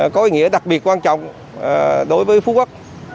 có ý nghĩa đặc biệt quan trọng đối với phú quốc